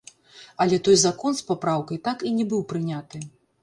Але той закон з папраўкай так і не быў прыняты.